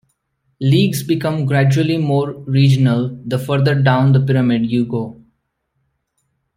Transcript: Leagues become gradually more regional the further down the pyramid you go.